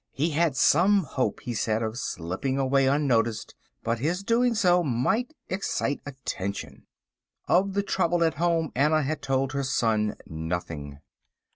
He had some hope, he said, of slipping away unnoticed, but his doing so might excite attention. Of the trouble at home Anna had told her son nothing.